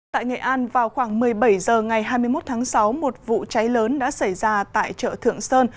tại nghệ an vào khoảng một mươi bảy h ngày hai mươi một tháng sáu một vụ cháy lớn đã xảy ra tại chợ thượng sơn